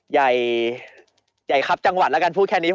ใหญ่ใหญ่ครับจังหวัดแล้วกันพูดแค่นี้